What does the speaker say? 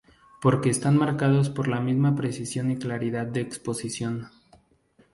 Porque están marcados por la misma precisión y claridad de exposición.